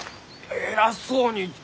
偉そうに。